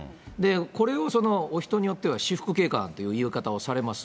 これをお人によっては私服警官という言い方をされます。